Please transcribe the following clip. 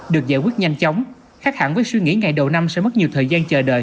được giải quyết nhanh chóng khác hẳn với suy nghĩ ngày đầu năm sẽ mất nhiều thời gian chờ đợi